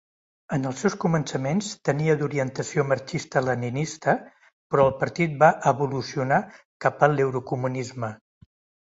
En els seus començaments tenia d'orientació marxista-leninista però el partit va evolucionar cap a l'eurocomunisme.